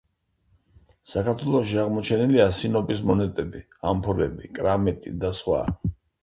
საქართველოში აღმოჩენილია სინოპის მონეტები, ამფორები, კრამიტი და სხვა.